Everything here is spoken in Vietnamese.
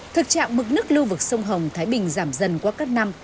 thực trạng mực nước lưu vực sông hồng thái bình giảm dần qua các năm